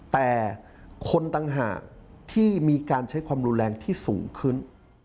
แต่คนต่างหากที่มีการใช้ความรุนแรงที่สูงขึ้น